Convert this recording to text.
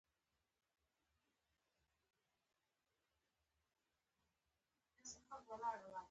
يو مازديگر پر غونډۍ ناست وم.